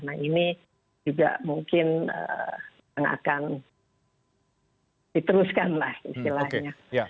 nah ini juga mungkin yang akan diteruskan lah istilahnya